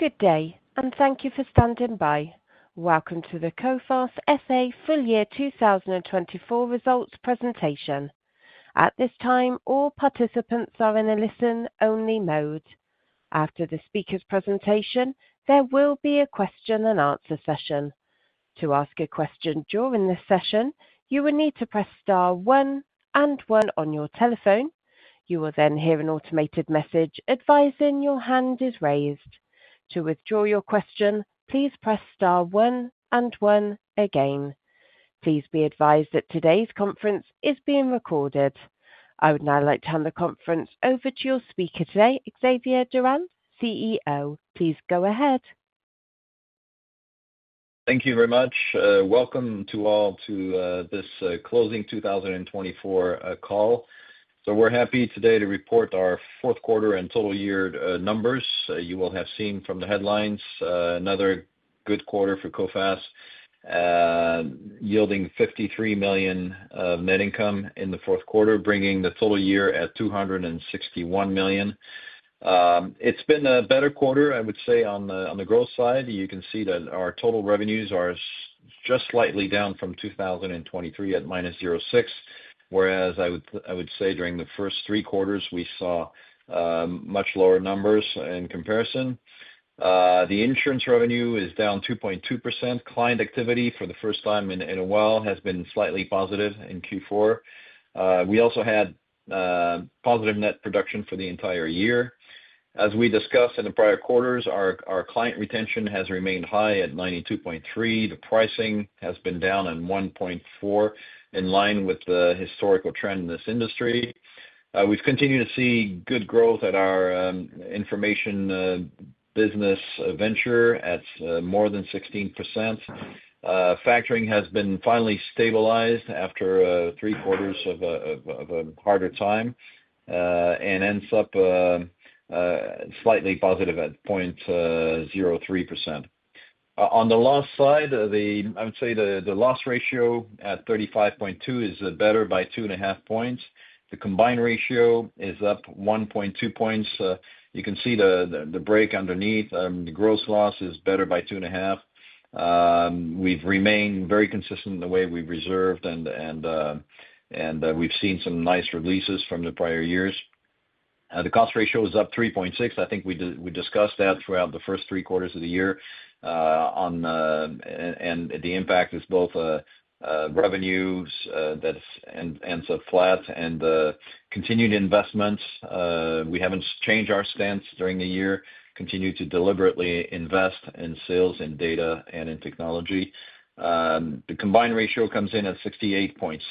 Good day, and thank you for standing by. Welcome to the Coface SA FY 2024 results presentation. At this time, all participants are in a listen-only mode. After the speaker's presentation, there will be a question-and-answer session. To ask a question during this session, you will need to press star one and one on your telephone. You will then hear an automated message advising your hand is raised. To withdraw your question, please press star one and one again. Please be advised that today's conference is being recorded. I would now like to hand the conference over to your speaker today, Xavier Durand, CEO. Please go ahead. Thank you very much. Welcome to all to this closing 2024 call, so we're happy today to report our fourth quarter and total year numbers. You will have seen from the headlines another good quarter for Coface, yielding 53 million of net income in the fourth quarter, bringing the total year at 261 million. It's been a better quarter, I would say, on the growth side. You can see that our total revenues are just slightly down from 2023 at -0.6%, whereas I would say during the first three quarters, we saw much lower numbers in comparison. The insurance revenue is down 2.2%. Client activity, for the first time in a while, has been slightly positive in Q4. We also had positive net production for the entire year. As we discussed in the prior quarters, our client retention has remained high at 92.3%. The pricing has been down on 1.4%, in line with the historical trend in this industry. We've continued to see good growth at our information business venture at more than 16%. Factoring has been finally stabilized after three quarters of a harder time and ends up slightly positive at 0.03%. On the loss side, I would say the loss ratio at 35.2 points is better by 2 1/2 points. The combined ratio is up 1.2 points. You can see the break underneath. The gross loss is better by 2 1/2 points. We've remained very consistent in the way we've reserved, and we've seen some nice releases from the prior years. The cost ratio is up 3.6 points. I think we discussed that throughout the first three quarters of the year, and the impact is both revenues that ends up flat and continued investments. We haven't changed our stance during the year, continued to deliberately invest in sales and data and in technology. The combined ratio comes in at 68.7 points,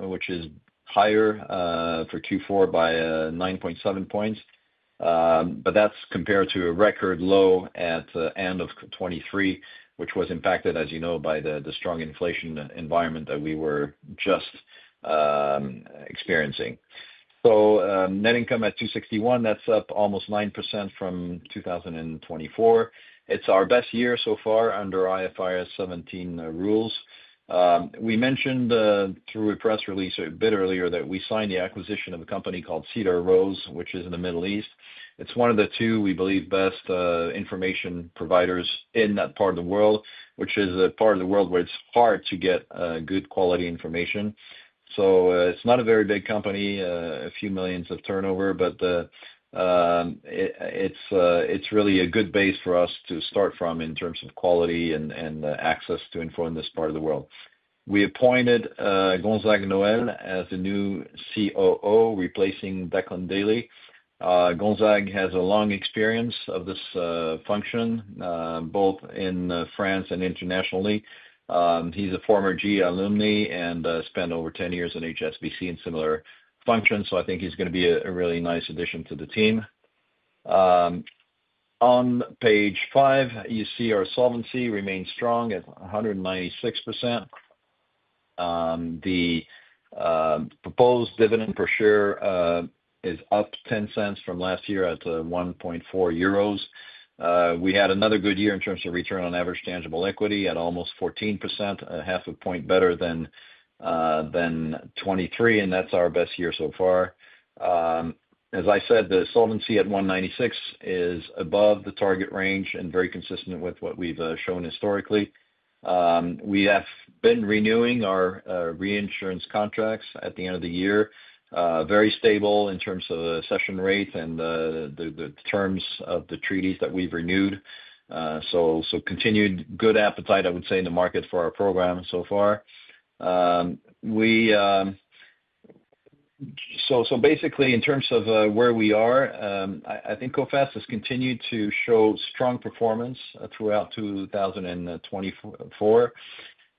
which is higher for Q4 by 9.7 points, but that's compared to a record low at the end of 2023, which was impacted, as you know, by the strong inflation environment that we were just experiencing. So net income at 261 million, that's up almost 9% from 2024. It's our best year so far under IFRS 17 rules. We mentioned through a press release a bit earlier that we signed the acquisition of a company called Cedar Rose, which is in the Middle East. It's one of the two, we believe, best information providers in that part of the world, which is a part of the world where it's hard to get good quality information. It's not a very big company, a few millions of turnover, but it's really a good base for us to start from in terms of quality and access to information this part of the world. We appointed Gonzague de Noël as the new COO, replacing Declan Daly. Gonzague has a long experience of this function, both in France and internationally. He's a former GE alumni and spent over 10 years in HSBC in similar functions, so I think he's going to be a really nice addition to the team. On page five, you see our solvency remains strong at 196%. The proposed dividend per share is up 0.10 from last year at 1.4 euros. We had another good year in terms of return on average tangible equity at almost 14%, a half a point better than 2023, and that's our best year so far. As I said, the solvency at 196% is above the target range and very consistent with what we've shown historically. We have been renewing our reinsurance contracts at the end of the year, very stable in terms of the cession rate and the terms of the treaties that we've renewed, so continued good appetite, I would say, in the market for our program so far, so basically, in terms of where we are, I think Coface has continued to show strong performance throughout 2024.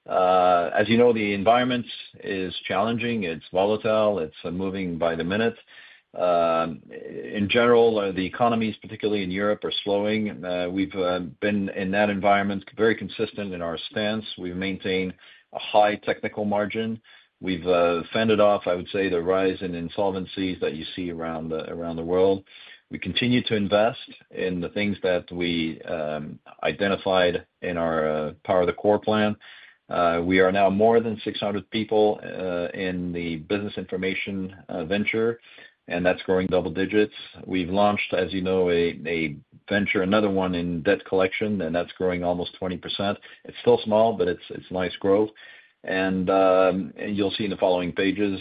As you know, the environment is challenging. It's volatile. It's moving by the minute. In general, the economies, particularly in Europe, are slowing. We've been in that environment very consistent in our stance. We've maintained a high technical margin. We've fended off, I would say, the rise in insolvencies that you see around the world. We continue to invest in the things that we identified in our Power the Core plan. We are now more than 600 people in the business information venture, and that's growing double digits. We've launched, as you know, a venture, another one in debt collection, and that's growing almost 20%. It's still small, but it's nice growth, and you'll see in the following pages,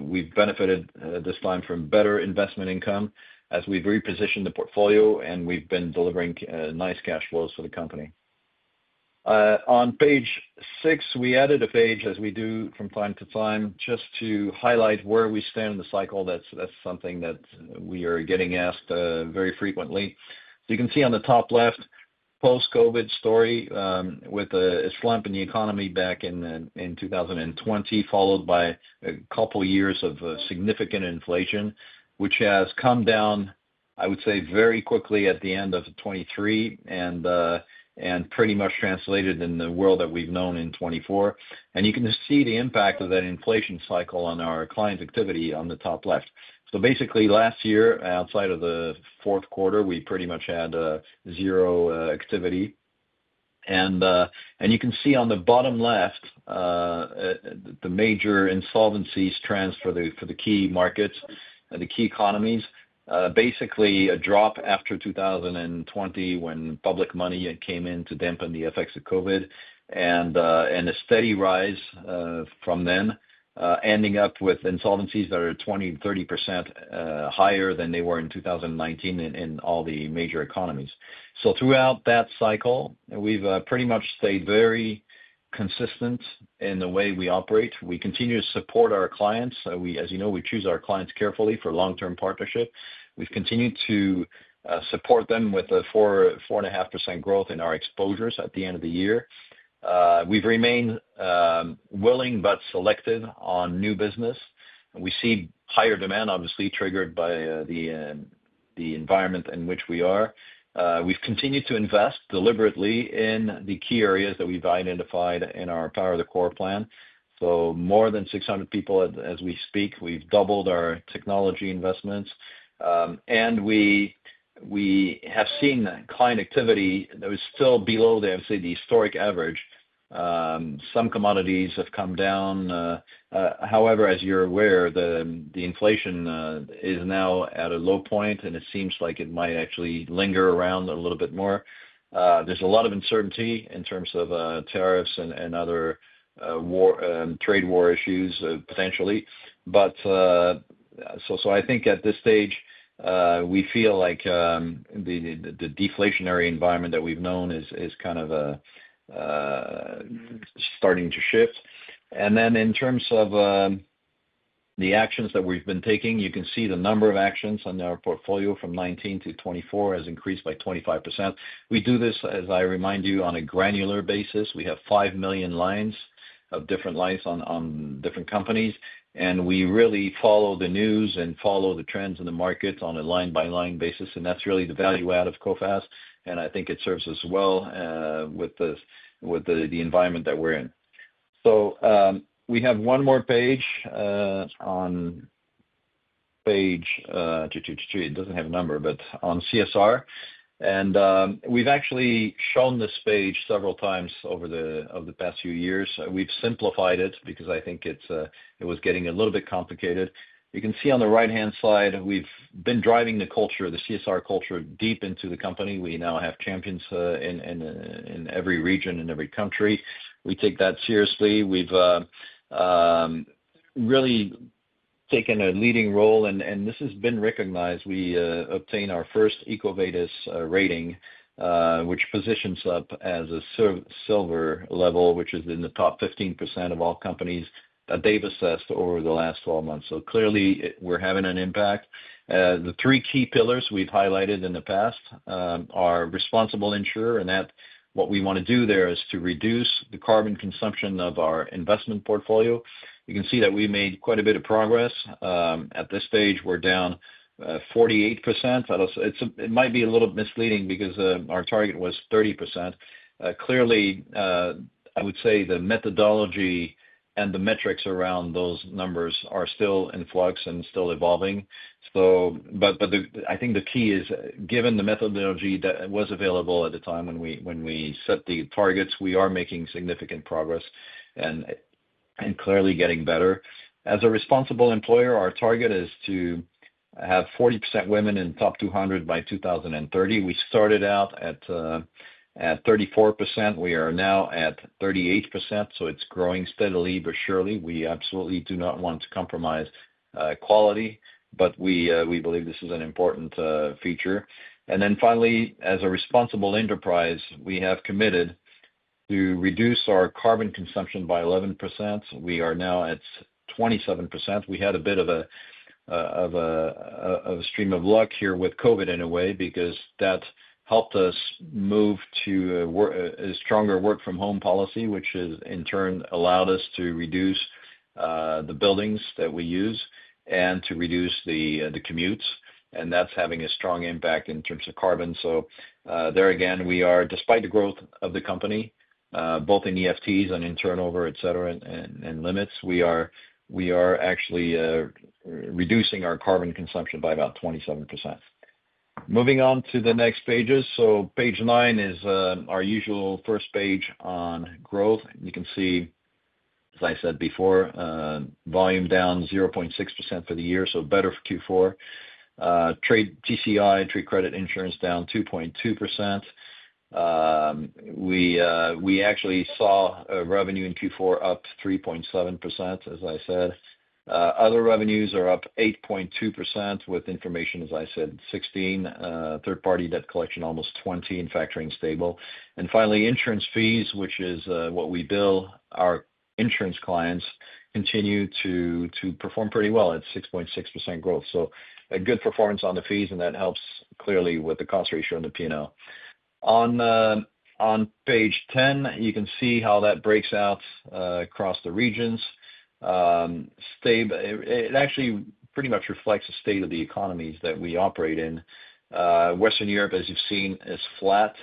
we've benefited this time from better investment income as we've repositioned the portfolio, and we've been delivering nice cash flows for the company. On page six, we added a page, as we do from time to time, just to highlight where we stand in the cycle. That's something that we are getting asked very frequently. You can see on the top left, post-COVID story with a slump in the economy back in 2020, followed by a couple of years of significant inflation, which has come down, I would say, very quickly at the end of 2023 and pretty much translated in the world that we've known in 2024. And you can see the impact of that inflation cycle on our client activity on the top left. So basically, last year, outside of the fourth quarter, we pretty much had zero activity. And you can see on the bottom left, the major insolvencies trends for the key markets and the key economies, basically a drop after 2020 when public money came in to dampen the effects of COVID and a steady rise from then, ending up with insolvencies that are 20%-30% higher than they were in 2019 in all the major economies. Throughout that cycle, we've pretty much stayed very consistent in the way we operate. We continue to support our clients. As you know, we choose our clients carefully for long-term partnership. We've continued to support them with a 4.5% growth in our exposures at the end of the year. We've remained willing but selective on new business. We see higher demand, obviously triggered by the environment in which we are. We've continued to invest deliberately in the key areas that we've identified in our Power the Core plan. More than 600 people as we speak. We've doubled our technology investments. We have seen client activity that was still below, I would say, the historic average. Some commodities have come down. However, as you're aware, the inflation is now at a low point, and it seems like it might actually linger around a little bit more. There's a lot of uncertainty in terms of tariffs and other trade war issues potentially. But, so I think at this stage, we feel like the deflationary environment that we've known is kind of starting to shift. Then, in terms of the actions that we've been taking, you can see the number of actions on our portfolio from 2019 to 2024 has increased by 25%. We do this, as I remind you, on a granular basis. We have five million lines of different lines on different companies, and we really follow the news and follow the trends in the markets on a line-by-line basis. That's really the value add of Coface. I think it serves us well with the environment that we're in. We have one more page on page it doesn't have a number, but on CSR. We've actually shown this page several times over the past few years. We've simplified it because I think it was getting a little bit complicated. You can see on the right-hand side, we've been driving the culture, the CSR culture, deep into the company. We now have champions in every region, in every country. We take that seriously. We've really taken a leading role, and this has been recognized. We obtained our first EcoVadis rating, which positions us up as a silver level, which is in the top 15% of all companies that they've assessed over the last 12 months. Clearly, we're having an impact. The three key pillars we've highlighted in the past are responsible insurer, and that what we want to do there is to reduce the carbon consumption of our investment portfolio. You can see that we made quite a bit of progress. At this stage, we're down 48%. It might be a little misleading because our target was 30%. Clearly, I would say the methodology and the metrics around those numbers are still in flux and still evolving, but I think the key is, given the methodology that was available at the time when we set the targets, we are making significant progress and clearly getting better. As a responsible employer, our target is to have 40% women in the top 200 by 2030. We started out at 34%. We are now at 38%, so it's growing steadily, but surely. We absolutely do not want to compromise quality, but we believe this is an important feature, and then finally, as a responsible enterprise, we have committed to reduce our carbon consumption by 11%. We are now at 27%. We had a bit of a stream of luck here with COVID in a way because that helped us move to a stronger work-from-home policy, which in turn allowed us to reduce the buildings that we use and to reduce the commutes, and that's having a strong impact in terms of carbon, so there again, we are, despite the growth of the company, both in FTEs and in turnover, etc., and limits, we are actually reducing our carbon consumption by about 27%. Moving on to the next pages, so page nine is our usual first page on growth. You can see, as I said before, volume down 0.6% for the year, so better for Q4. TCI, trade credit insurance down 2.2%. We actually saw revenue in Q4 up 3.7%, as I said. Other revenues are up 8.2% with information, as I said, 16%, third-party debt collection almost 20%, and factoring stable. And finally, insurance fees, which is what we bill our insurance clients, continue to perform pretty well at 6.6% growth. So good performance on the fees, and that helps clearly with the cost ratio and the P&L. On page 10, you can see how that breaks out across the regions. It actually pretty much reflects the state of the economies that we operate in. Western Europe, as you've seen, is flat.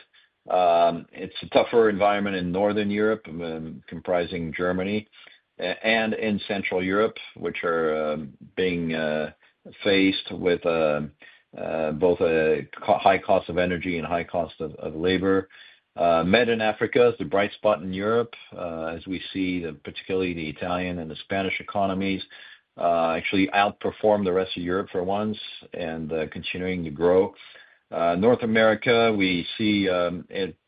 It's a tougher environment in Northern Europe, comprising Germany, and in Central Europe, which are being faced with both a high cost of energy and high cost of labor. Mediterranean and Africa is the bright spot in Europe, as we see particularly the Italian and the Spanish economies actually outperform the rest of Europe for once and continuing to grow. North America, we see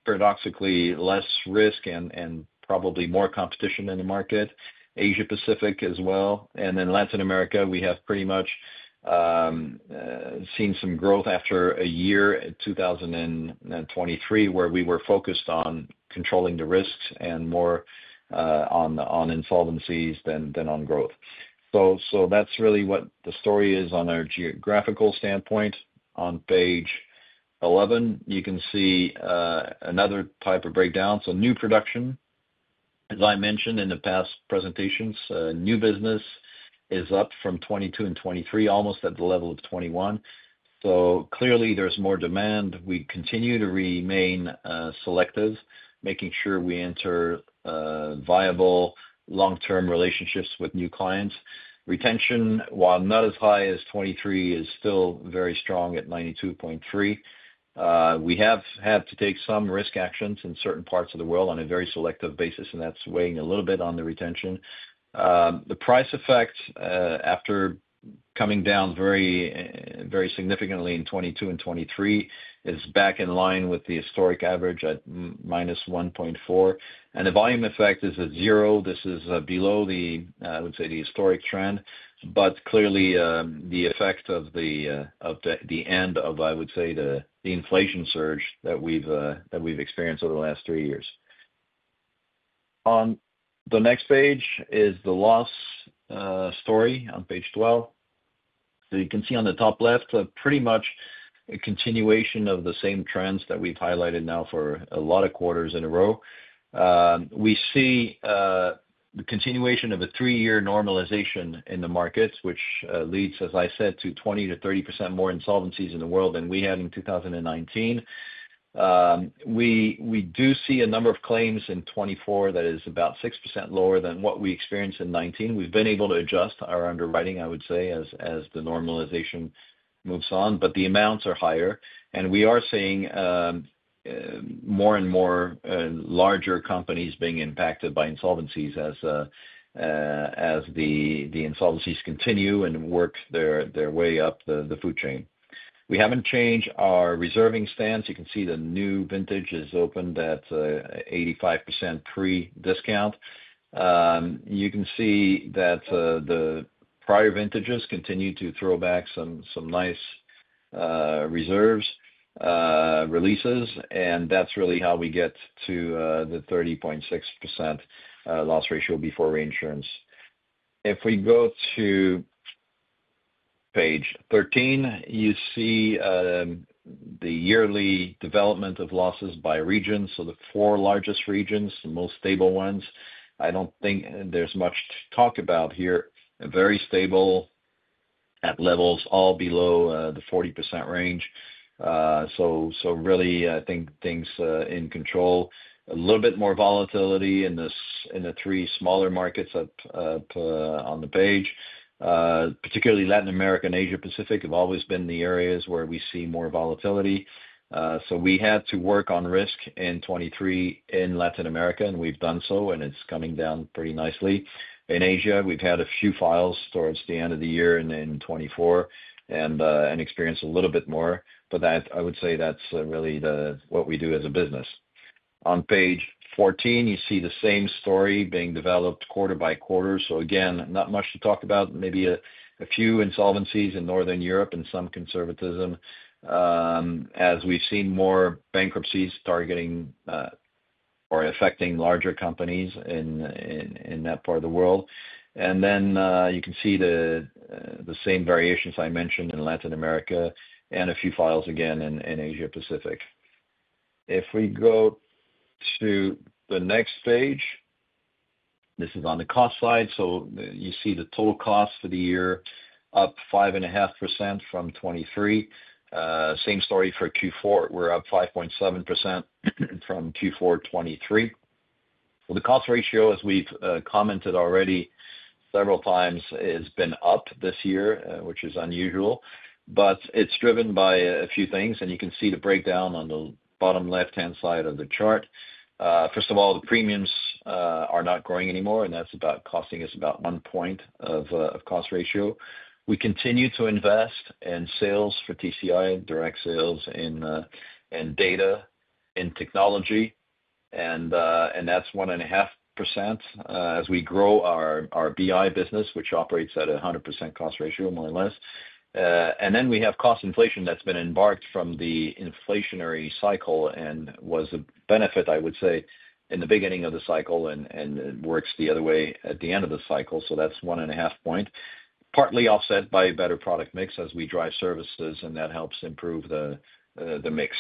paradoxically less risk and probably more competition in the market. Asia-Pacific as well, and in Latin America, we have pretty much seen some growth after a year in 2023 where we were focused on controlling the risks and more on insolvencies than on growth, so that's really what the story is on our geographical standpoint. On page 11, you can see another type of breakdown, so new production, as I mentioned in the past presentations, new business is up from 2022 and 2023, almost at the level of 2021. So clearly, there's more demand. We continue to remain selective, making sure we enter viable long-term relationships with new clients. Retention, while not as high as 2023, is still very strong at 92.3%. We have had to take some risk actions in certain parts of the world on a very selective basis, and that's weighing a little bit on the retention. The price effect after coming down very significantly in 2022 and 2023 is back in line with the historic average at -1.4 point. And the volume effect is at zero. This is below, I would say, the historic trend, but clearly the effect of the end of, I would say, the inflation surge that we've experienced over the last three years. On the next page is the loss story on page 12. So you can see on the top left, pretty much a continuation of the same trends that we've highlighted now for a lot of quarters in a row. We see the continuation of a three-year normalization in the markets, which leads, as I said, to 20%-30% more insolvencies in the world than we had in 2019. We do see a number of claims in 2024 that is about 6% lower than what we experienced in 2019. We've been able to adjust our underwriting, I would say, as the normalization moves on, but the amounts are higher. And we are seeing more and more larger companies being impacted by insolvencies as the insolvencies continue and work their way up the food chain. We haven't changed our reserving stance. You can see the new vintage is opened at 85% pre-discount. You can see that the prior vintages continue to throw back some nice reserves, releases, and that's really how we get to the 30.6% loss ratio before reinsurance. If we go to page 13, you see the yearly development of losses by region. So the four largest regions, the most stable ones. I don't think there's much to talk about here. Very stable at levels all below the 40% range. So really, I think things in control. A little bit more volatility in the three smaller markets on the page. Particularly Latin America and Asia-Pacific have always been the areas where we see more volatility. So we had to work on risk in 2023 in Latin America, and we've done so, and it's coming down pretty nicely. In Asia, we've had a few files towards the end of the year in 2024 and experienced a little bit more. But I would say that's really what we do as a business. On page 14, you see the same story being developed quarter by quarter. Again, not much to talk about. Maybe a few insolvencies in Northern Europe and some conservatism as we've seen more bankruptcies targeting or affecting larger companies in that part of the world. Then you can see the same variations I mentioned in Latin America and a few files again in Asia-Pacific. If we go to the next page, this is on the cost side. You see the total cost for the year up 5.5% from 2023. Same story for Q4. We're up 5.7% from Q4 2023. The cost ratio, as we've commented already several times, has been up this year, which is unusual, but it's driven by a few things. You can see the breakdown on the bottom left-hand side of the chart. First of all, the premiums are not growing anymore, and that's about costing us about one point of cost ratio. We continue to invest in sales for TCI, direct sales in data and technology, and that's 1.5% as we grow our BI business, which operates at a 100% cost ratio, more or less, and then we have cost inflation that's been embarked from the inflationary cycle and was a benefit, I would say, in the beginning of the cycle and works the other way at the end of the cycle, so that's 1.5 point, partly offset by better product mix as we drive services, and that helps improve the mix.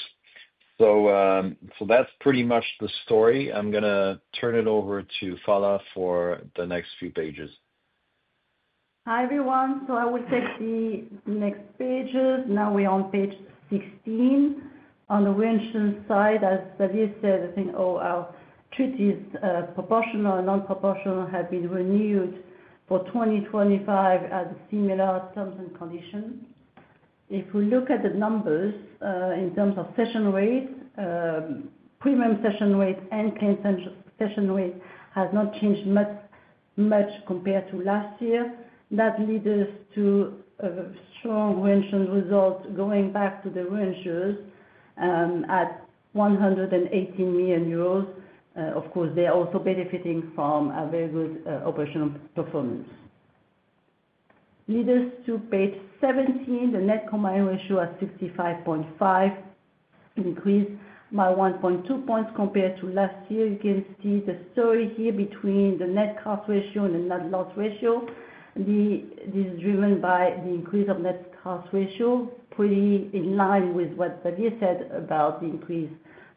So that's pretty much the story. I'm going to turn it over to Phalla for the next few pages. Hi everyone, so I will take the next pages. Now we're on page 16. On the reinsurance side, as Xavier said, I think all treaties proportional and non-proportional have been renewed for 2025 at similar terms and conditions. If we look at the numbers in terms of cession rate, premium cession rate and claim cession rate has not changed much compared to last year. That leads us to a strong reinsurance result going back to the reinsurers at 118 million euros. Of course, they are also benefiting from a very good operational performance. Let's turn to page 17, the net combined ratio at 65.5 points increased by 1.2 points compared to last year. You can see the story here between the net cost ratio and the net loss ratio. This is driven by the increase of net cost ratio, pretty in line with what Xavier said about the increase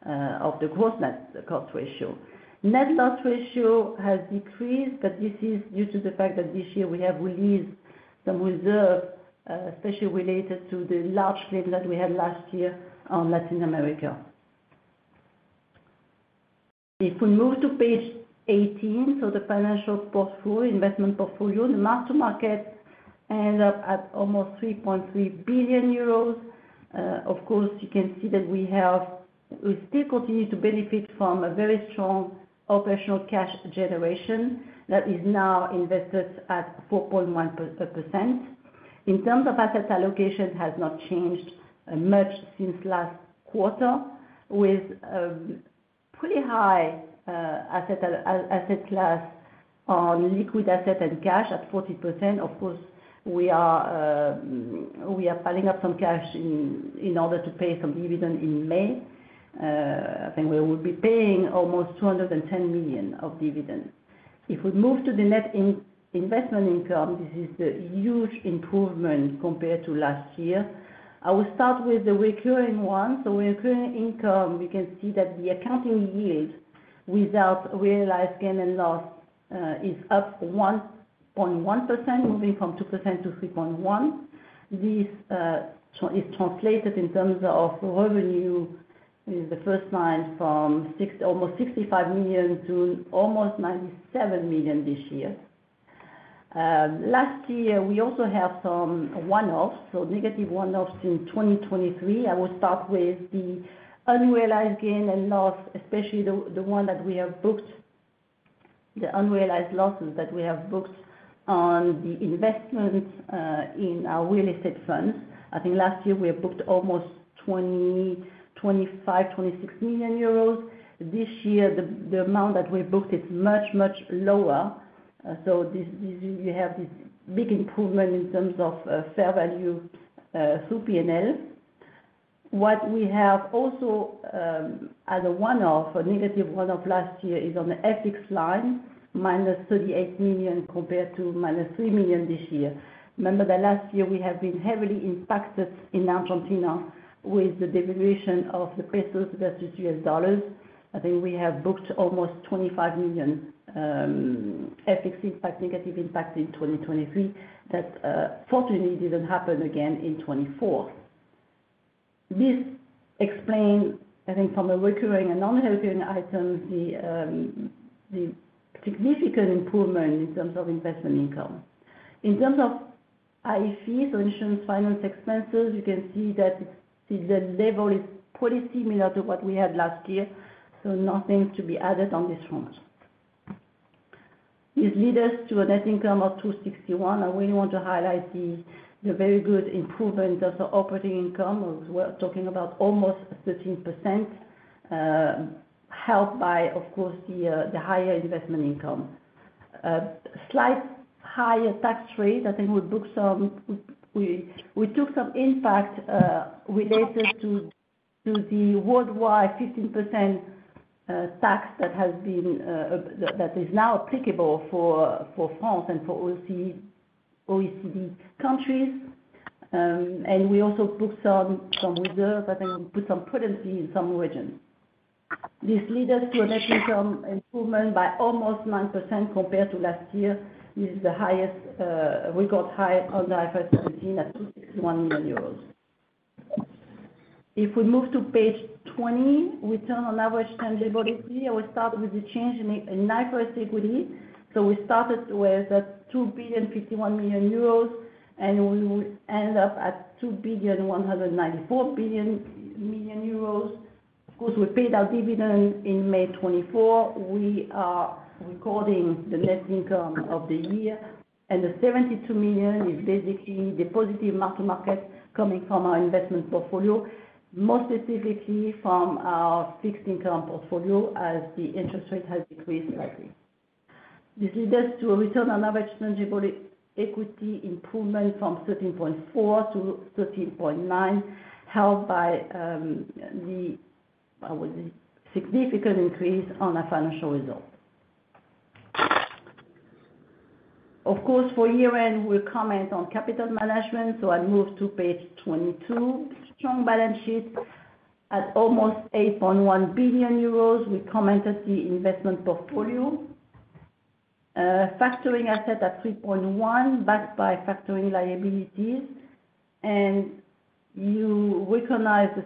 of the gross/net cost ratio. Net loss ratio has decreased, but this is due to the fact that this year we have released some reserve, especially related to the large claim that we had last year on Latin America. If we move to page 18, so the financial portfolio, investment portfolio, the mark-to-market ends up at almost 3.3 billion euros. Of course, you can see that we still continue to benefit from a very strong operational cash generation that is now invested at 4.1%. In terms of asset allocation, it has not changed much since last quarter with pretty high asset class on liquid assets and cash at 40%. Of course, we are piling up some cash in order to pay some dividend in May. I think we will be paying almost 210 million of dividend. If we move to the net investment income, this is the huge improvement compared to last year. I will start with the recurring one. So recurring income, we can see that the accounting yield without realized gain and loss is up 1.1%, moving from 2% to 3.1%. This is translated in terms of revenue. It is the first line from almost 65 million to almost 97 million this year. Last year, we also have some one-offs, so negative one-offs in 2023. I will start with the unrealized gain and loss, especially the one that we have booked, the unrealized losses that we have booked on the investment in our real estate funds. I think last year we have booked almost 25 million-26 million euros. This year, the amount that we booked is much, much lower. So you have this big improvement in terms of Fair Value Through P&L. What we have also as a one-off, a negative one-off last year is on the FX line, minus -38 million compared to -3 million this year. Remember that last year we have been heavily impacted in Argentina with the devaluation of the pesos versus US dollars. I think we have booked almost 25 million FX impact, negative impact in 2023. That fortunately didn't happen again in 2024. This explains, I think, from a recurring and non-recurring item, the significant improvement in terms of investment income. In terms of IFEs, so Insurance Finance Expenses, you can see that the level is pretty similar to what we had last year. So nothing to be added on this front. This leads us to a net income of 261 million. I really want to highlight the very good improvement of the operating income. We're talking about almost 13%, helped by, of course, the higher investment income. Slight higher tax rate. I think we took some impact related to the worldwide 15% tax that is now applicable for France and for OECD countries. And we also booked some reserves. I think we put some currency in some regions. This leads us to a net income improvement by almost 9% compared to last year. This is the highest record high on the IFRS 17 at 261 million euros. If we move to page 20, return on average tangible equity. I will start with the change in IFRS equity. So we started with 2.51 billion, and we end up at 2.194 billion. Of course, we paid our dividend in May 2024. We are recording the net income of the year. And the 72 million is basically the positive mark-to-market coming from our investment portfolio, more specifically from our fixed income portfolio as the interest rate has decreased slightly. This leads us to a return on average tangible equity improvement from 13.4 to 13.9, held by the significant increase on our financial result. Of course, for year-end, we'll comment on capital management. So I move to page 22. Strong balance sheet at almost 8.11 billion euros. We commented the investment portfolio, factoring asset at 3.1 points, backed by factoring liabilities, and you recognize the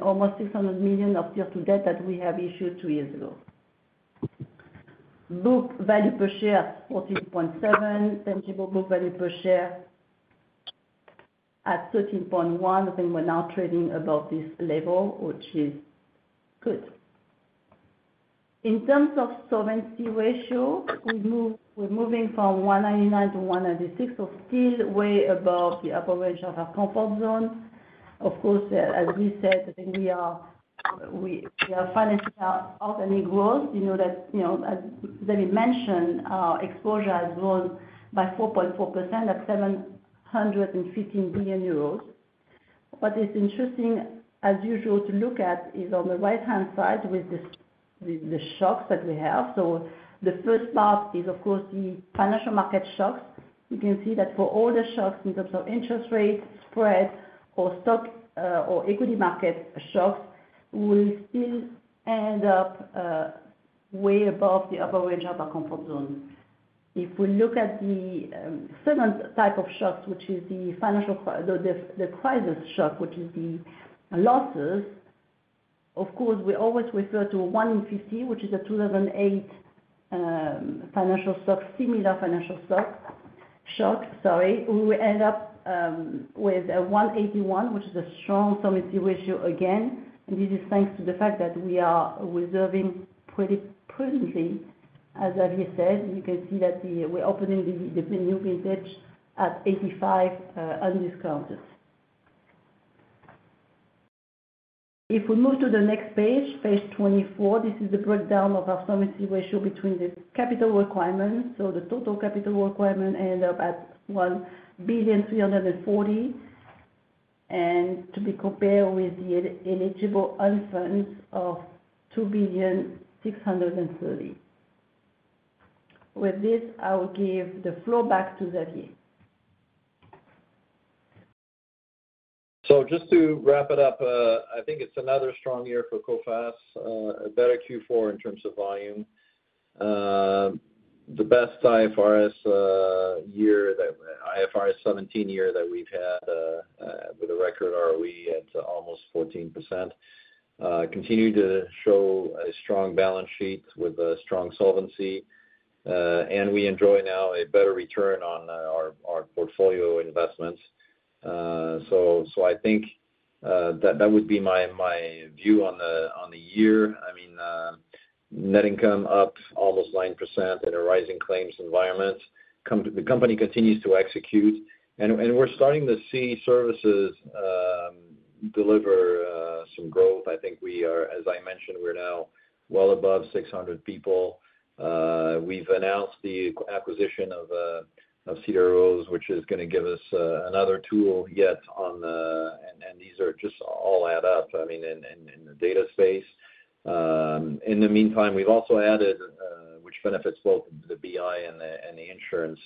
almost 600 million of Tier 2 debt that we have issued two years ago. Book value per share at 14.7, tangible book value per share at 13.1. I think we're now trading above this level, which is good. In terms of solvency ratio, we're moving from 199% to 196%, so still way above the upper range of our comfort zone. Of course, as we said, I think we are financing our organic growth. You know that Xavier mentioned our exposure has grown by 4.4% at 715 million euros. What is interesting, as usual, to look at is on the right-hand side with the shocks that we have, so the first part is, of course, the financial market shocks. You can see that for all the shocks in terms of interest rate, spread, or stock or equity market shocks, we still end up way above the upper range of our comfort zone. If we look at the second type of shocks, which is the crisis shock, which is the losses, of course, we always refer to 150 million, which is a 2008 similar financial shock. Sorry. We end up with a 181%, which is a strong solvency ratio again. And this is thanks to the fact that we are reserving pretty prudently, as Xavier said. You can see that we're opening the new vintage at 85 million undiscounted. If we move to the next page, page 24, this is the breakdown of our solvency ratio between the capital requirements. So the total capital requirement ends up at 1,340,000,000. And to be compared with the eligible own funds of 2,630,000,000. With this, I will give the floor back to Xavier. Just to wrap it up, I think it's another strong year for Coface, a better Q4 in terms of volume. The best IFRS 17 year that we've had with a record ROE at almost 14%. We continue to show a strong balance sheet with a strong solvency. We enjoy now a better return on our portfolio investments. I think that would be my view on the year. I mean, net income up almost 9% in a rising claims environment. The company continues to execute. We're starting to see services deliver some growth. I think we are, as I mentioned, now well above 600 people. We've announced the acquisition of Cedar Rose, which is going to give us another tool yet on the, and these are just all add up, I mean, in the data space. In the meantime, we've also added, which benefits both the BI and the insurance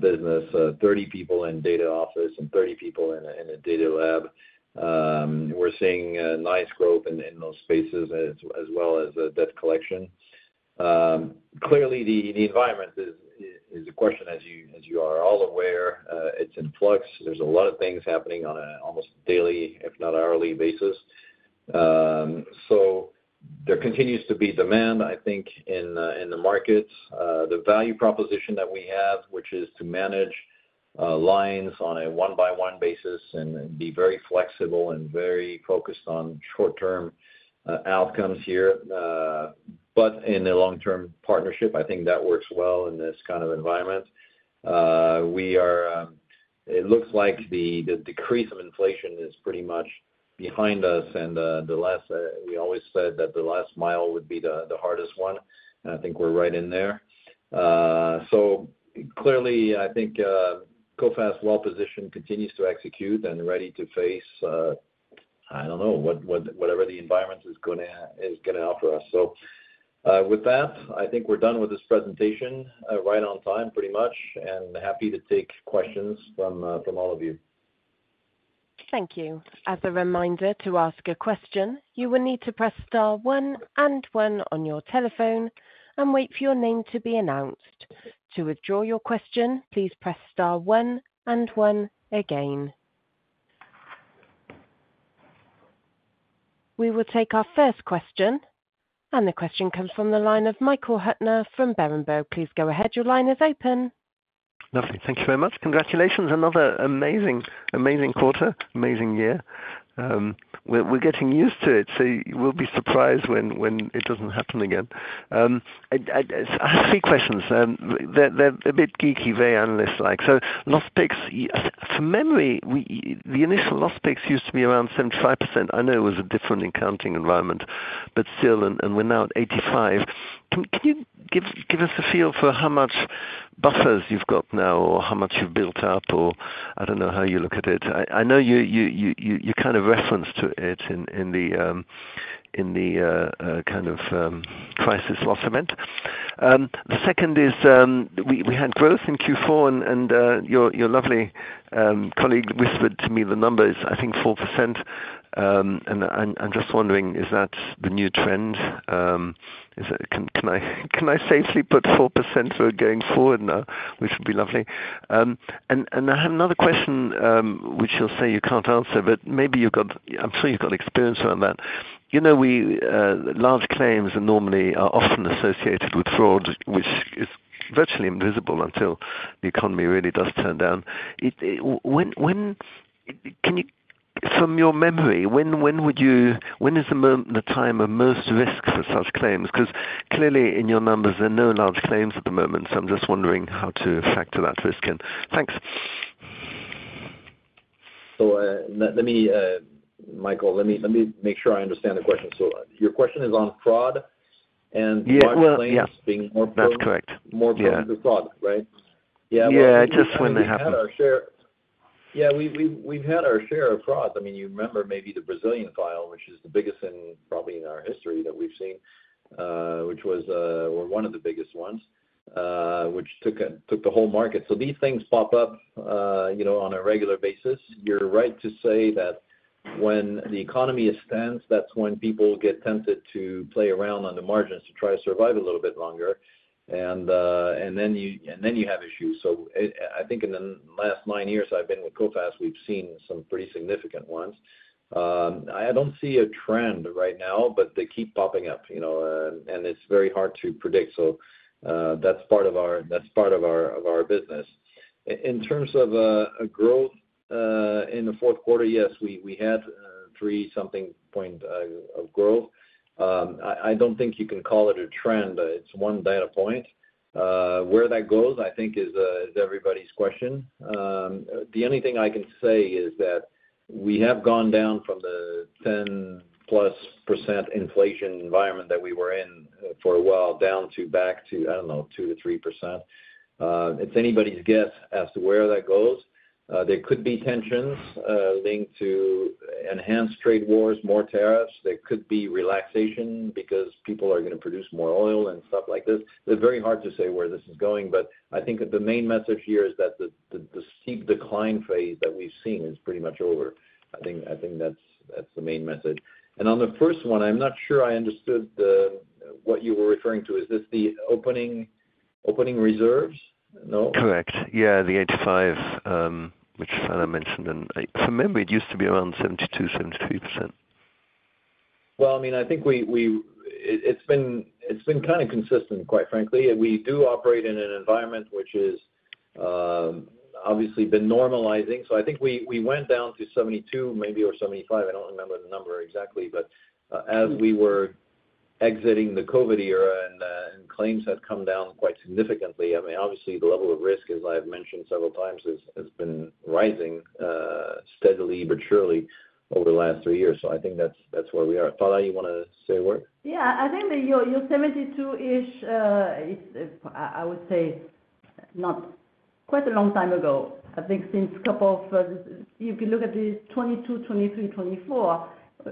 business, 30 people in data office and 30 people in a data lab. We're seeing nice growth in those spaces as well as debt collection. Clearly, the environment is a question, as you are all aware. It's in flux. There's a lot of things happening on an almost daily, if not hourly, basis. So there continues to be demand, I think, in the markets. The value proposition that we have, which is to manage lines on a one-by-one basis and be very flexible and very focused on short-term outcomes here, but in the long-term partnership, I think that works well in this kind of environment. It looks like the decrease of inflation is pretty much behind us, and we always said that the last mile would be the hardest one, and I think we're right in there, so clearly, I think Coface, well-positioned, continues to execute and ready to face, I don't know, whatever the environment is going to offer us. So with that, I think we're done with this presentation right on time, pretty much, and happy to take questions from all of you. Thank you. As a reminder to ask a question, you will need to press star one and one on your telephone and wait for your name to be announced. To withdraw your question, please press star one and one again. We will take our first question, and the question comes from the line of Michael Huttner from Berenberg. Please go ahead. Your line is open. Lovely. Thank you very much. Congratulations. Another amazing, amazing quarter, amazing year. We're getting used to it, so we'll be surprised when it doesn't happen again. I have three questions. They're a bit geeky, very analyst-like, so loss picks, from memory, the initial loss picks used to be around 75%. I know it was a different accounting environment, but still, and we're now at 85%. Can you give us a feel for how much buffers you've got now or how much you've built up, or I don't know how you look at it. I know you kind of referenced it in the kind of crisis loss event. The second is we had growth in Q4, and your lovely colleague whispered to me the numbers, I think 4%. And I'm just wondering, is that the new trend? Can I safely put 4% for going forward now, which would be lovely? I have another question, which you'll say you can't answer, but maybe you've got. I'm sure you've got experience around that. Large claims normally are often associated with fraud, which is virtually invisible until the economy really does turn down. From your memory, when is the time of most risk for such claims? Because clearly, in your numbers, there are no large claims at the moment. So I'm just wondering how to factor that risk in. Thanks. So let me, Michael, let me make sure I understand the question. So your question is on fraud and large claims being more prone to fraud, right? Yeah. Yeah. Just when they happen. Yeah. We've had our share of frauds. I mean, you remember maybe the Brazilian file, which is the biggest probably in our history that we've seen, which was one of the biggest ones, which took the whole market. So these things pop up on a regular basis. You're right to say that when the economy is tense, that's when people get tempted to play around on the margins to try to survive a little bit longer. And then you have issues. So I think in the last nine years I've been with Coface, we've seen some pretty significant ones. I don't see a trend right now, but they keep popping up. And it's very hard to predict. So that's part of our business. In terms of growth in the fourth quarter, yes, we had three-something point of growth. I don't think you can call it a trend. It's one data point. Where that goes, I think, is everybody's question. The only thing I can say is that we have gone down from the 10+% inflation environment that we were in for a while down to back to, I don't know, 2%-3%. It's anybody's guess as to where that goes. There could be tensions linked to enhanced trade wars, more tariffs. There could be relaxation because people are going to produce more oil and stuff like this. It's very hard to say where this is going. But I think the main message here is that the steep decline phase that we've seen is pretty much over. I think that's the main message. And on the first one, I'm not sure I understood what you were referring to. Is this the opening reserves? No? Correct. Yeah. The 85, which I mentioned. And from memory, it used to be around 72%-73%. Well, I mean, I think it's been kind of consistent, quite frankly. We do operate in an environment which has obviously been normalizing. So I think we went down to 72% maybe or 75%. I don't remember the number exactly. But as we were exiting the COVID era and claims had come down quite significantly, I mean, obviously, the level of risk, as I've mentioned several times, has been rising steadily but surely over the last three years. So I think that's where we are. Phalla, you want to say a word? Yeah. I think that your 72-ish, I would say, not quite a long time ago. I think since a couple of you can look at the 2022, 2023, 2024,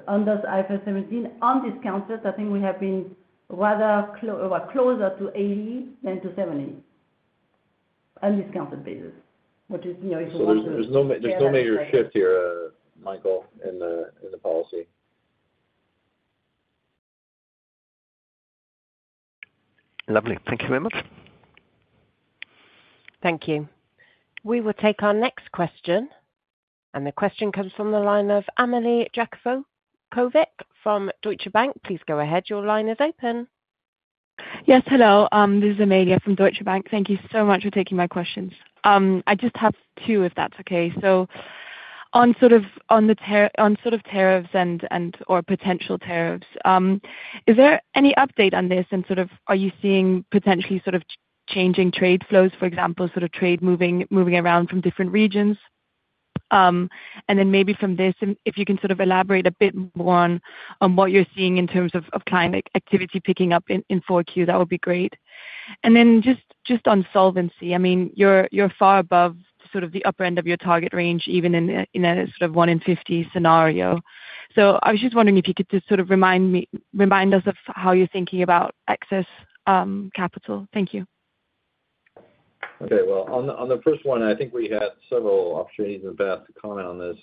under IFRS 17, undiscounted, I think we have been rather closer to 80% than to 70% on a discounted basis, which is one of the. There's no major shift here, Michael, in the policy. Lovely. Thank you very much. Thank you. We will take our next question. And the question comes from the line of Amalie Zdravkovic from Deutsche Bank. Please go ahead. Your line is open. Yes. Hello. This is Amalie from Deutsche Bank. Thank you so much for taking my questions. I just have two, if that's okay. So on sort of tariffs and/or potential tariffs, is there any update on this? And sort of are you seeing potentially sort of changing trade flows, for example, sort of trade moving around from different regions? And then maybe from this, if you can sort of elaborate a bit more on what you're seeing in terms of client activity picking up in 4Q, that would be great. Then just on solvency, I mean, you're far above sort of the upper end of your target range, even in a sort of 1 in 50 scenario. So I was just wondering if you could just sort of remind us of how you're thinking about excess capital. Thank you. Okay. Well, on the first one, I think we had several opportunities in the past to comment on this.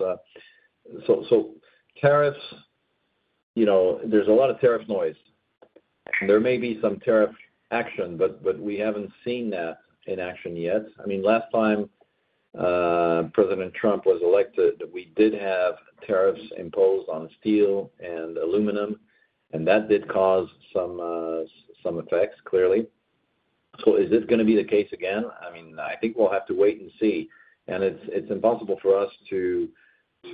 So tariffs, there's a lot of tariff noise. There may be some tariff action, but we haven't seen that in action yet. I mean, last time President Trump was elected, we did have tariffs imposed on steel and aluminum. And that did cause some effects, clearly. So is this going to be the case again? I mean, I think we'll have to wait and see. It's impossible for us to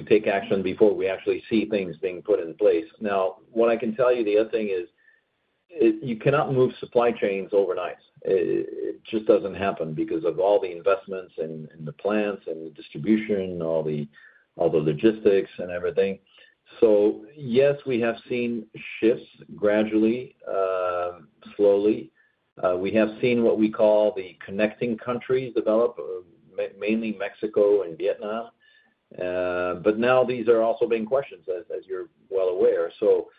take action before we actually see things being put in place. Now, what I can tell you, the other thing is you cannot move supply chains overnight. It just doesn't happen because of all the investments and the plants and the distribution, all the logistics and everything. So yes, we have seen shifts gradually, slowly. We have seen what we call the connecting countries develop, mainly Mexico and Vietnam. But now these are also being questioned, as you're well aware. So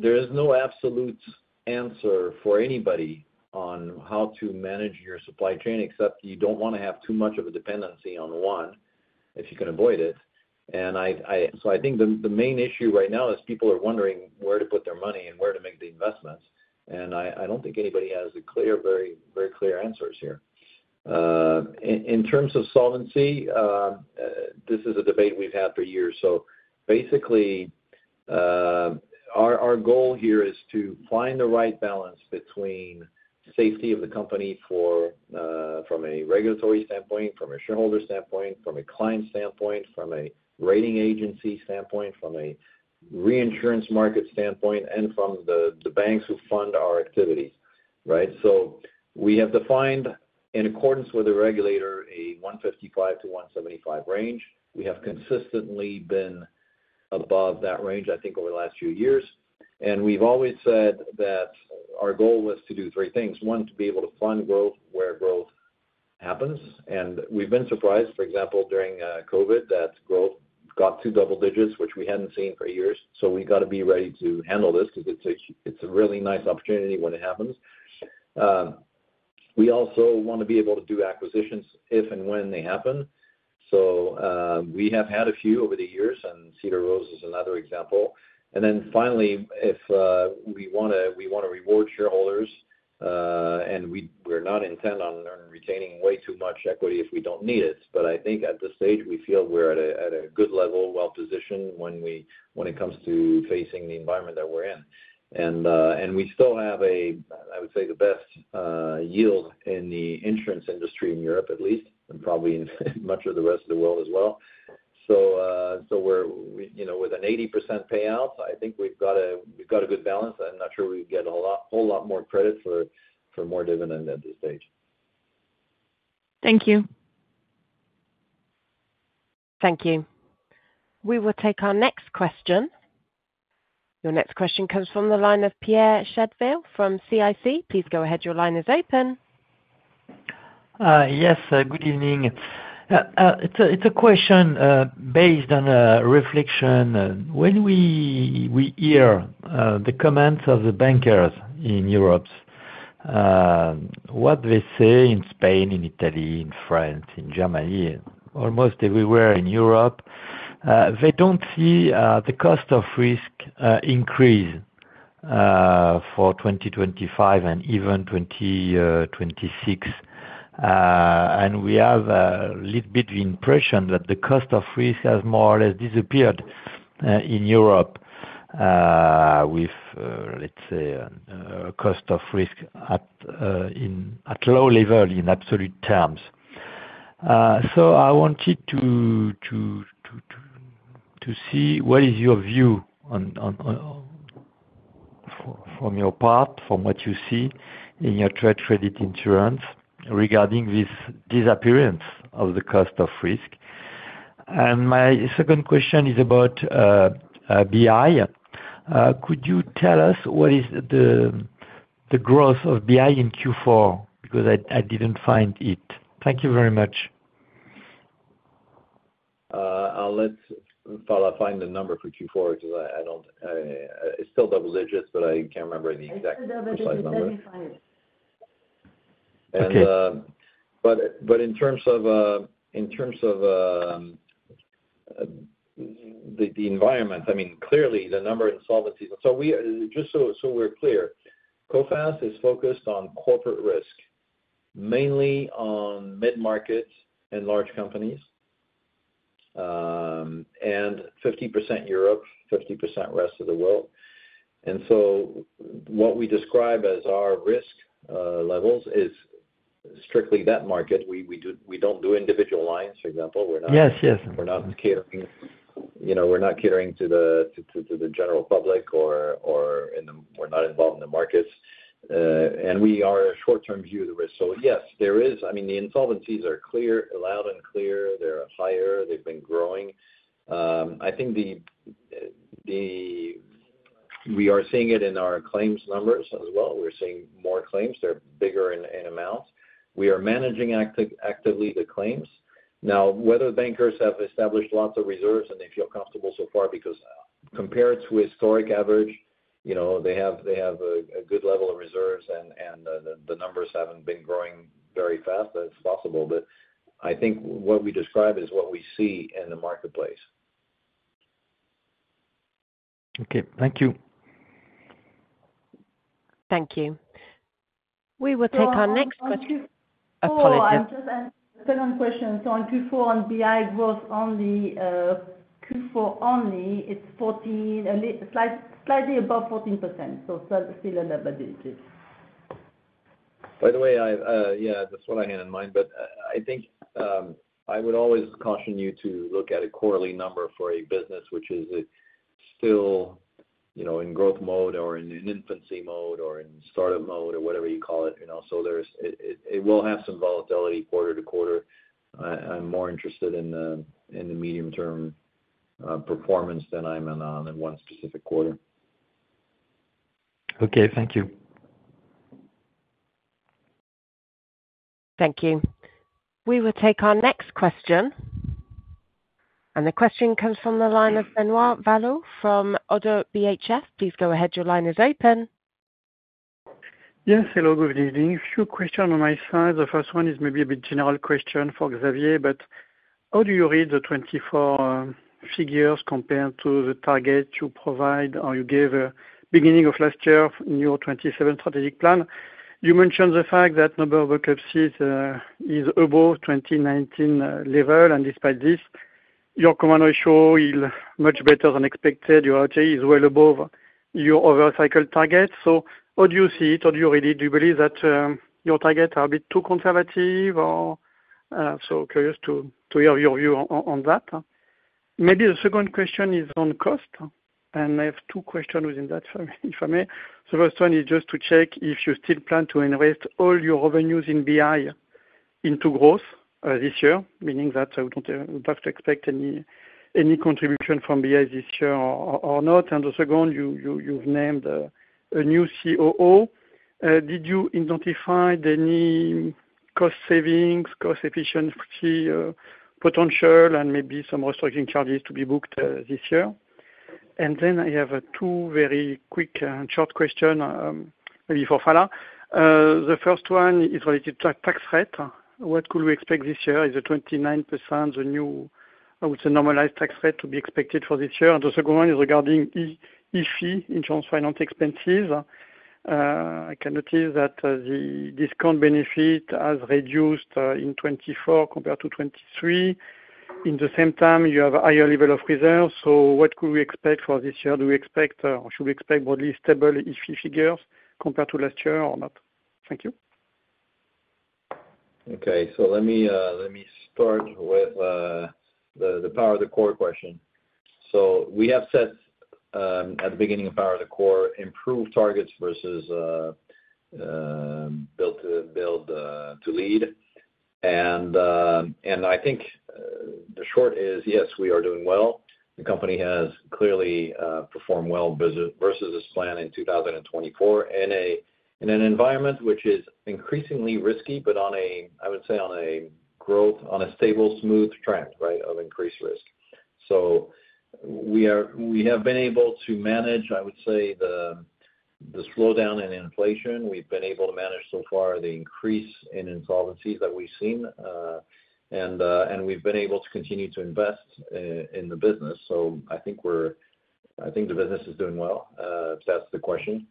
there is no absolute answer for anybody on how to manage your supply chain, except you don't want to have too much of a dependency on one if you can avoid it. And so I think the main issue right now is people are wondering where to put their money and where to make the investments. I don't think anybody has very clear answers here. In terms of solvency, this is a debate we've had for years. Basically, our goal here is to find the right balance between safety of the company from a regulatory standpoint, from a shareholder standpoint, from a client standpoint, from a rating agency standpoint, from a reinsurance market standpoint, and from the banks who fund our activities, right? We have defined, in accordance with the regulator, a 155%-175% range. We have consistently been above that range, I think, over the last few years. We've always said that our goal was to do three things. One, to be able to fund growth where growth happens. We've been surprised, for example, during COVID, to that growth got to double digits, which we hadn't seen for years. So we've got to be ready to handle this because it's a really nice opportunity when it happens. We also want to be able to do acquisitions if and when they happen. So we have had a few over the years, and Cedar Rose is another example. And then finally, if we want to reward shareholders, and we're not intent on retaining way too much equity if we don't need it. But I think at this stage, we feel we're at a good level, well-positioned when it comes to facing the environment that we're in. And we still have a, I would say, the best yield in the insurance industry in Europe, at least, and probably in much of the rest of the world as well. So with an 80% payout, I think we've got a good balance. I'm not sure we'd get a whole lot more credit for more dividend at this stage. Thank you. Thank you. We will take our next question. Your next question comes from the line of Pierre Chédeville from CIC. Please go ahead. Your line is open. Yes. Good evening. It's a question based on a reflection. When we hear the comments of the bankers in Europe, what they say in Spain, in Italy, in France, in Germany, almost everywhere in Europe, they don't see the cost of risk increase for 2025 and even 2026. And we have a little bit of impression that the cost of risk has more or less disappeared in Europe with, let's say, a cost of risk at low level in absolute terms. So I wanted to see what is your view from your part, from what you see in your trade credit insurance regarding this disappearance of the cost of risk? And my second question is about BI. Could you tell us what is the growth of BI in Q4? Because I didn't find it. Thank you very much. I'll let Phalla find the number for Q4 because it's still double digits, but I can't remember the exact number. It's still double digits. 75%. But in terms of the environment, I mean, clearly, the number insolvency. So just so we're clear, Coface is focused on corporate risk, mainly on mid-markets and large companies, and 50% Europe, 50% rest of the world. And so what we describe as our risk levels is strictly that market. We don't do individual lines, for example. We're not catering to the general public, or we're not involved in the markets. And we are a short-term view of the risk. So yes, there is. I mean, the insolvencies are clear, loud, and clear. They've been growing. I think we are seeing it in our claims numbers as well. We're seeing more claims. They're bigger in amount. We are managing actively the claims. Now, whether bankers have established lots of reserves and they feel comfortable so far because compared to historic average, they have a good level of reserves and the numbers haven't been growing very fast, that's possible. But I think what we describe is what we see in the marketplace. Okay. Thank you. Thank you. We will take our next question. Apologies. Phalla, I'm just adding a second question. So on Q4, on BI growth, Q4 only, it's slightly above 14%. So still a double digit. By the way, yeah, that's what I had in mind. But I think I would always caution you to look at a quarterly number for a business which is still in growth mode or in infancy mode or in startup mode or whatever you call it. So it will have some volatility quarter to quarter. I'm more interested in the medium-term performance than I'm in one specific quarter. Okay. Thank you. Thank you. We will take our next question, and the question comes from the line of Benoît Valleaux from ODDO BHF. Please go ahead. Your line is open. Yes. Hello. Good evening. A few questions on my side. The first one is maybe a bit general question for Xavier. But how do you read the 2024 figures compared to the target you provide or you gave beginning of last year in your 2027 strategic plan? You mentioned the fact that number of bankruptcies is above 2019 level. And despite this, your Combined Ratio is much better than expected. Your RoATE is well above your overall cycle target. So how do you see it? How do you read it? Do you believe that your targets are a bit too conservative? So curious to hear your view on that. Maybe the second question is on cost. And I have two questions within that, if I may. The first one is just to check if you still plan to invest all your revenues in BI into growth this year, meaning that you don't expect any contribution from BI this year or not. And the second, you've named a new COO. Did you identify any cost savings, cost efficiency potential, and maybe some restructuring charges to be booked this year? And then I have two very quick and short questions before Phalla. The first one is related to tax rate. What could we expect this year? Is the 29%, the new, I would say, normalized tax rate to be expected for this year? And the second one is regarding IFE, insurance finance expenses. I can notice that the discount benefit has reduced in 2024 compared to 2023. In the same time, you have a higher level of reserves. So what could we expect for this year? Do we expect or should we expect more stable IFE figures compared to last year or not? Thank you. Okay. So let me start with the Power the Core question. So we have said at the beginning of Power the Core, improve targets versus Build to Lead. And I think the short is, yes, we are doing well. The company has clearly performed well versus its plan in 2024 in an environment which is increasingly risky, but I would say on a growth, on a stable, smooth trend, right, of increased risk. So we have been able to manage, I would say, the slowdown in inflation. We've been able to manage so far the increase in insolvencies that we've seen. And we've been able to continue to invest in the business. So I think the business is doing well. That's the question.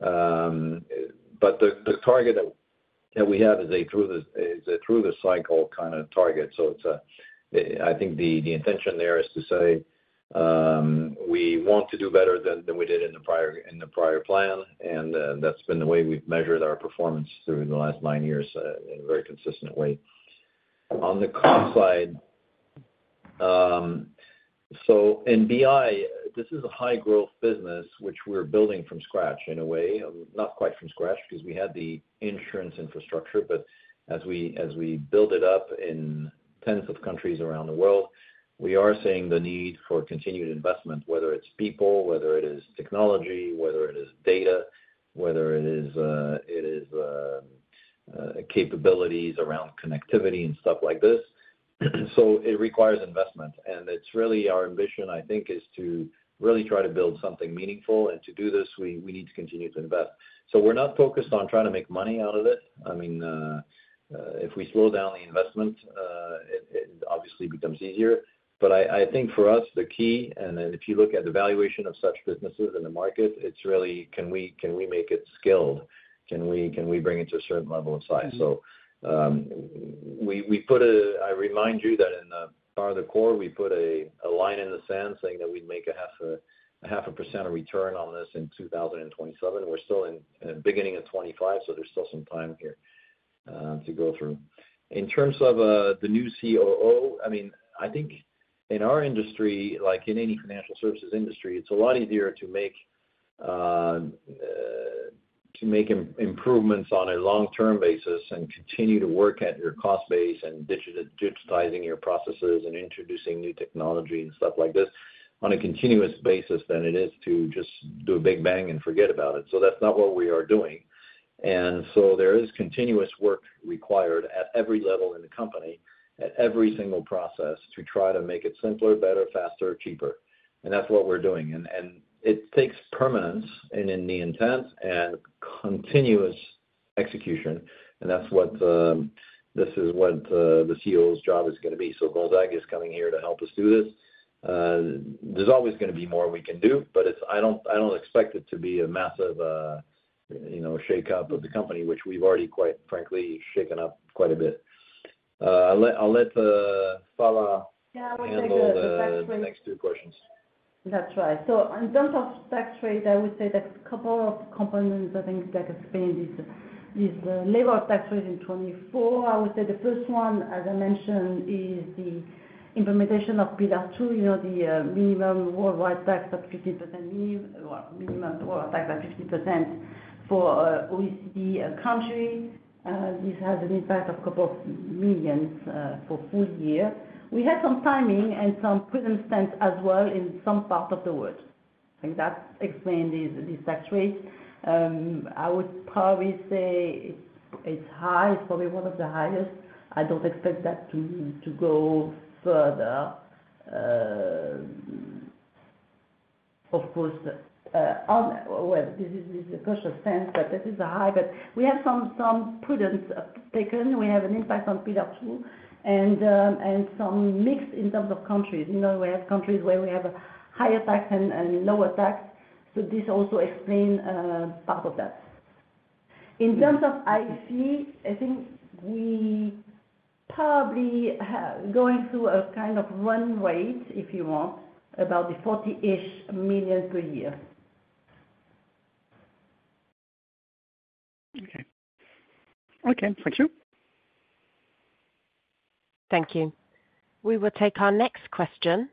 But the target that we have is a through-the-cycle kind of target. So I think the intention there is to say we want to do better than we did in the prior plan. And that's been the way we've measured our performance through the last nine years in a very consistent way. On the cost side, so in BI, this is a high-growth business, which we're building from scratch in a way. Not quite from scratch because we had the insurance infrastructure. But as we build it up in tens of countries around the world, we are seeing the need for continued investment, whether it's people, whether it is technology, whether it is data, whether it is capabilities around connectivity and stuff like this. So it requires investment. And it's really our ambition, I think, is to really try to build something meaningful. And to do this, we need to continue to invest. So we're not focused on trying to make money out of it. I mean, if we slow down the investment, it obviously becomes easier. But I think for us, the key, and if you look at the valuation of such businesses in the market, it's really, can we make it scaled? Can we bring it to a certain level of size? So I remind you that in the Power the Core, we put a line in the sand saying that we'd make 0.5% return on this in 2027. We're still in the beginning of 2025, so there's still some time here to go through. In terms of the new COO, I mean, I think in our industry, like in any financial services industry, it's a lot easier to make improvements on a long-term basis and continue to work at your cost base and digitizing your processes and introducing new technology and stuff like this on a continuous basis than it is to just do a big bang and forget about it. So that's not what we are doing. And so there is continuous work required at every level in the company, at every single process, to try to make it simpler, better, faster, cheaper. And that's what we're doing. And it takes permanence and in the intent and continuous execution. And this is what the COO's job is going to be. So Gonzague is coming here to help us do this. There's always going to be more we can do, but I don't expect it to be a massive shake-up of the company, which we've already quite frankly shaken up quite a bit. I'll let Phalla handle the next two questions. That's right. So in terms of tax rate, I would say there's a couple of components, I think, that could spin this level of tax rate in 2024. I would say the first one, as I mentioned, is the implementation of Pillar 2, the minimum worldwide tax at 15%, minimum worldwide tax at 15% for OECD countries. This has an impact of a couple of million euros for full year. We have some timing and some prudence stance as well in some parts of the world. I think that explains this tax rate. I would probably say it's high. It's probably one of the highest. I don't expect that to go further. Of course, this is a cautious stance, but this is a high. But we have some prudence taken. We have an impact on Pillar 2 and some mix in terms of countries. We have countries where we have higher tax and lower tax. So this also explains part of that. In terms of IFE, I think we're probably going through a kind of run rate, if you want, about 40-ish million per year. Okay. Okay. Thank you. Thank you. We will take our next question.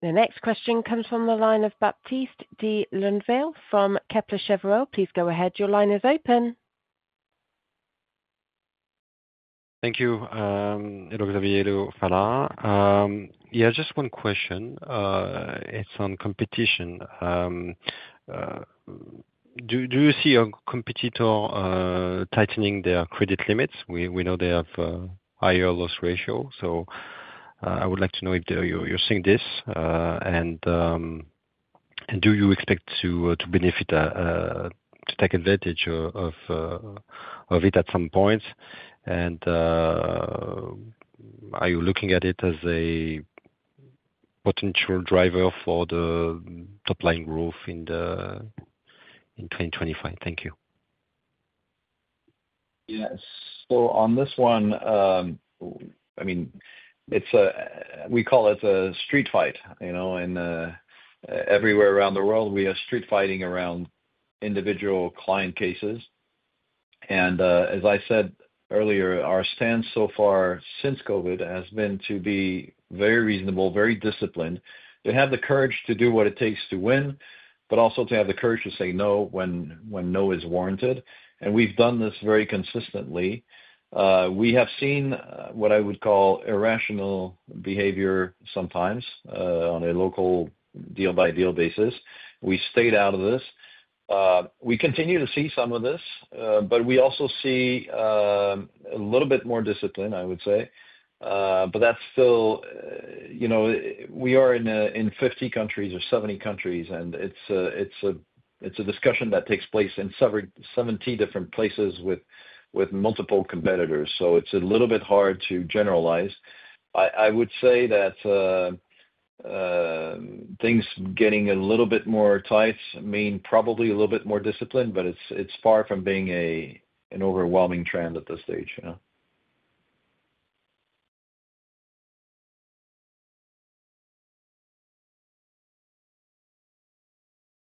The next question comes from the line of Baptiste de Leudeville from Kepler Cheuvreux. Please go ahead. Your line is open. Thank you, Xavier Durand. Yeah, just one question. It's on competition. Do you see a competitor tightening their credit limits? We know they have higher loss ratio. So I would like to know if you're seeing this. And do you expect to benefit, to take advantage of it at some point? And are you looking at it as a potential driver for the top-line growth in 2025? Thank you. Yes. So on this one, I mean, we call it a street fight. And everywhere around the world, we are street fighting around individual client cases. And as I said earlier, our stance so far since COVID has been to be very reasonable, very disciplined, to have the courage to do what it takes to win, but also to have the courage to say no when no is warranted. And we've done this very consistently. We have seen what I would call irrational behavior sometimes on a local deal-by-deal basis. We stayed out of this. We continue to see some of this, but we also see a little bit more discipline, I would say. But that's still we are in 50 countries or 70 countries, and it's a discussion that takes place in 70 different places with multiple competitors. So it's a little bit hard to generalize. I would say that things getting a little bit more tight mean probably a little bit more discipline, but it's far from being an overwhelming trend at this stage.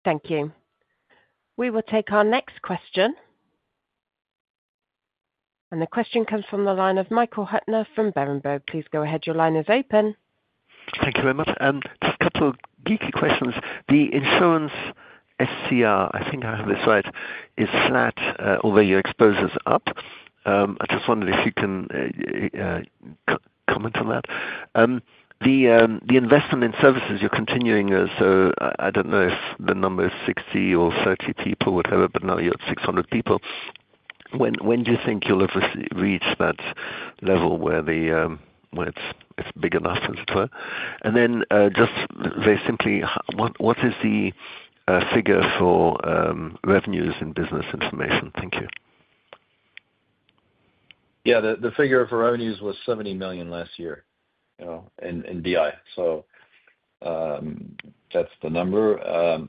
Thank you. We will take our next question. And the question comes from the line of Michael Huttner from Berenberg. Please go ahead. Your line is open. Thank you very much. And just a couple of geeky questions. The insurance SCR, I think I have it right, is flat, although your exposure is up. I just wondered if you can comment on that. The investment in services you're continuing is, so I don't know if the number is 60 or 30 people, whatever, but now you're at 600 people. When do you think you'll have reached that level where it's big enough, as it were? And then just very simply, what is the figure for revenues in Business Information? Thank you. Yeah. The figure for revenues was 70 million last year in BI. So that's the number.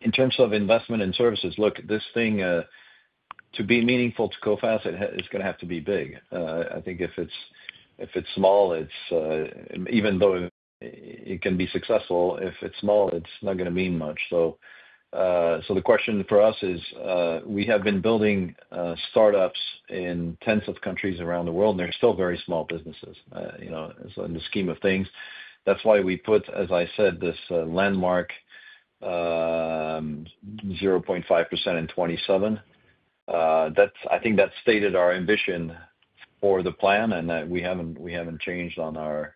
In terms of investment in services, look, this thing, to be meaningful to Coface, it's going to have to be big. I think if it's small, even though it can be successful, if it's small, it's not going to mean much. So the question for us is, we have been building startups in tens of countries around the world, and they're still very small businesses. So in the scheme of things, that's why we put, as I said, this landmark 0.5% in 2027. I think that stated our ambition for the plan, and we haven't changed on our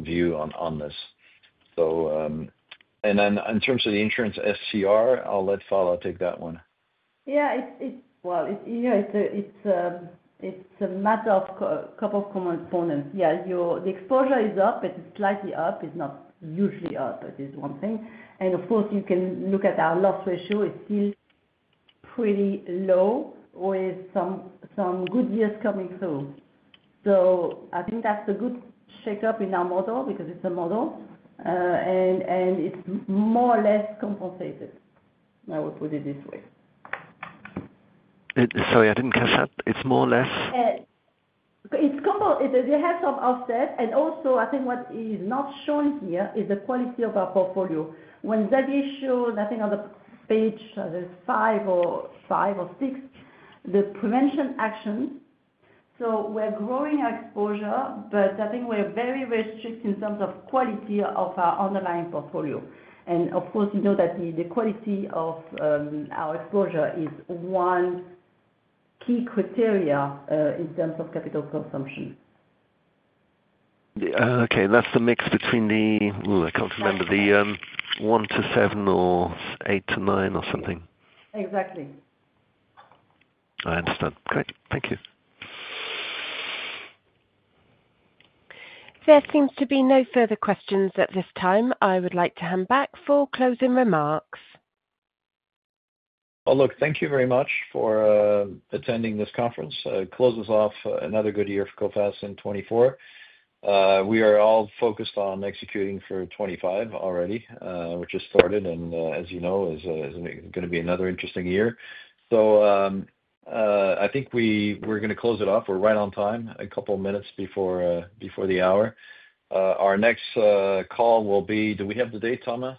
view on this. And then in terms of the insurance SCR, I'll let Phalla take that one. Yeah. Well, yeah, it's a matter of a couple of components. Yeah. The exposure is up, but it's slightly up. It's not usually up, but it's one thing. And of course, you can look at our loss ratio. It's still pretty low with some good years coming through. So I think that's a good shake-up in our model because it's a model, and it's more or less compensated, I would put it this way. Sorry, I didn't catch that. It's more or less? It's compensated. They have some offset. Also, I think what is not shown here is the quality of our portfolio. When Xavier showed, I think on page five or six, the prevention actions. We're growing our exposure, but I think we're very restricted in terms of quality of our underlying portfolio. Of course, you know that the quality of our exposure is one key criteria in terms of capital consumption. Okay. That's the mix between the, I can't remember, the 1%-7% or 8%-9% or something. Exactly. I understand. Great. Thank you. There seems to be no further questions at this time. I would like to hand back for closing remarks. Look, thank you very much for attending this conference. It closes off another good year for Coface in 2024. We are all focused on executing for 2025 already, which has started, and as you know, is going to be another interesting year. So I think we're going to close it off. We're right on time, a couple of minutes before the hour. Our next call will be, do we have the date, Thomas?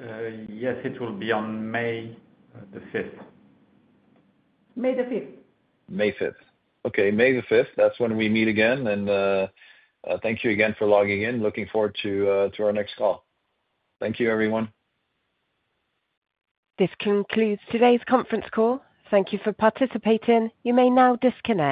Yes. It will be on May the 5th. May the 5th. May 5th. Okay. May the 5th. That's when we meet again. And thank you again for logging in. Looking forward to our next call. Thank you, everyone. This concludes today's conference call. Thank you for participating. You may now disconnect.